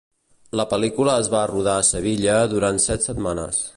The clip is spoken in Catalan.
La pel·lícula es va rodar a Sevilla durant set setmanes.